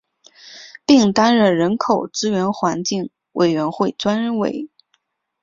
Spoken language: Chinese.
并担任人口资源环境委员会专委。